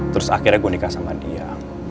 terus akhirnya gue nikah sama dia